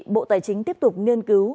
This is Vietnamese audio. bộ tài chính tiếp tục nghiên cứu